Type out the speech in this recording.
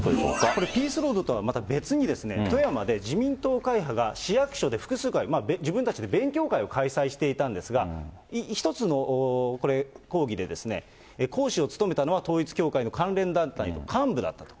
これ、ピースロードとはまた別に、富山で自民党会派が市役所で複数回、自分たちで勉強会を開催していたんですが、一つのこれ、講義で講師を務めたのは統一教会の関連団体の幹部だったと。